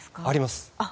あります。